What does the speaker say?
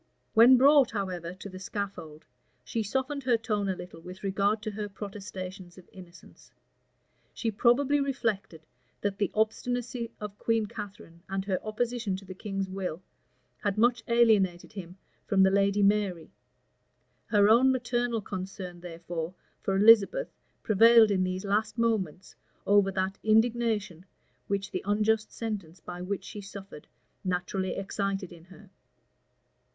When brought, however, to the scaffold, she softened her tone a little with regard to her protestations of innocence. She probably reflected, that the obstinacy of Queen Catharine, and her opposition to the king's will, had much alienated him from the lady Mary: her own maternal concern, therefore, for Elizabeth prevailed in these last moments over that indignation which the unjust sentence by which she suffered naturally excited in her.